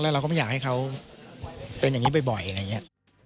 เราก็ไม่อยากให้เขาเป็นอย่างนี้บ่อยอะไรอย่างนี้